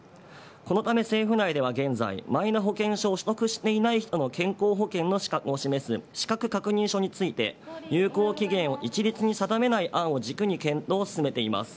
このため政府内では現在、マイナ保険証を取得していない人の健康保険の資格を示す資格確認書について有効期限を一律に定めない案を軸に検討を進めています。